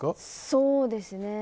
そうですね。